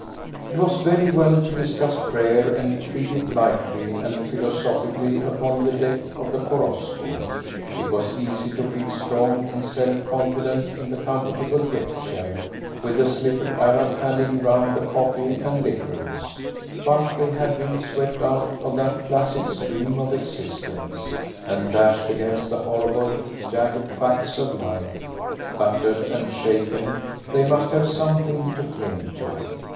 It was very well to discuss prayer and treat it lightly and philosophically upon the deck of the Korosko. It was easy to feel strong and self confident in the comfortable deck chair, with the slippered Arab handing round the coffee and liqueurs. But they had been swept out of that placid stream of existence, and dashed against the horrible, jagged facts of life. Battered and shaken, they must have something to cling to.